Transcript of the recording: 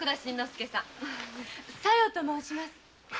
小夜と申します。